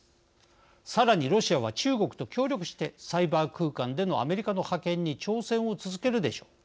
さらにロシアは中国と協力してサイバー空間でのアメリカの覇権に挑戦を続けるでしょう。